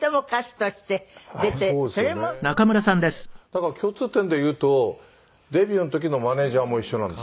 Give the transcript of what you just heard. だから共通点でいうとデビューの時のマネジャーも一緒なんです。